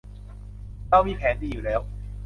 เรามีแผนดีอยู่แล้ว